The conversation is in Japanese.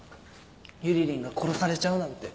ゆりりんが殺されちゃうなんて。